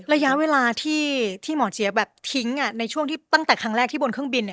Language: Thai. ระยะเวลาที่หมอเจี๊ยบแบบทิ้งในช่วงที่ตั้งแต่ครั้งแรกที่บนเครื่องบินเนี่ย